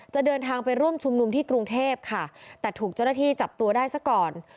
เดินทางไปร่วมชุมนุมที่กรุงเทพค่ะแต่ถูกเจ้าหน้าที่จับตัวได้ซะก่อน